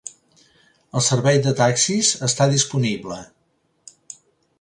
El servei de taxis està disponible.